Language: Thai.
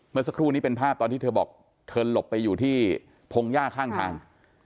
เมื่อสักครู่นี้เป็นภาพตอนที่เธอบอกเธอหลบไปอยู่ที่พงหญ้าข้างทาง